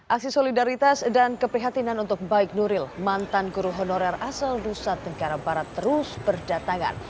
aksi solidaritas dan keprihatinan untuk baik nuril mantan guru honorer asal nusa tenggara barat terus berdatangan